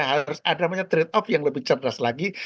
harus ada namanya trade off yang lebih cerdas lagi